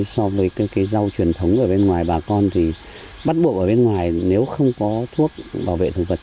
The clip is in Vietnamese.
so với cây rau truyền thống ở bên ngoài bà con thì bắt buộc ở bên ngoài nếu không có thuốc bảo vệ thực vật